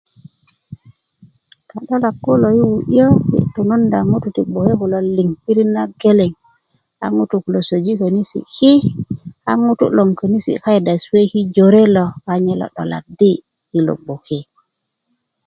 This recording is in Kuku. ka'dolak kulo yi' wu'yo yi' tununda ŋutuu ti gboke kulo liŋ pirit nageleŋ a ŋutuu kulo soji könisi' ki a ŋutu' loŋ könisi' kayit a suwe ki jore lo nye lo 'doladi' ilo gboke